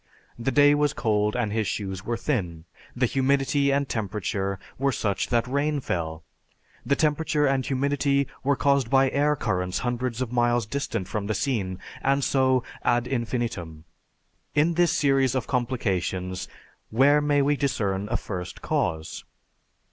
The day was cold and his shoes were thin. The humidity and temperature were such that rain fell. The temperature and humidity were caused by air currents hundreds of miles distant from the scene, and so ad infinitum. In this series of complications where may we discern a first cause?